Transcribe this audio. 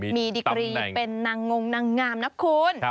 มีดิกรีเป็นนางงนางงามนะคุณ